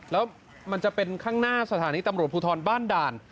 แล้วมันจะเป็นข้างหน้าสถานีตำรวจภูทรบ้านด่าน